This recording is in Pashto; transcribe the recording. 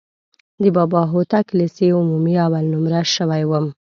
د بابا هوتک لیسې عمومي اول نومره شوی وم.